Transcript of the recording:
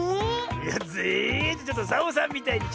「ぜ」ってちょっとサボさんみたい！